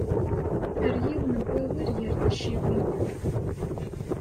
Err yiwen n wawal gar tacciwin.